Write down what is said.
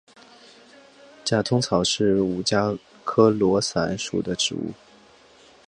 假通草是五加科罗伞属的植物。